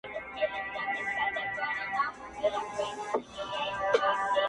چي ټوله ورځ ستا د مخ لمر ته ناست وي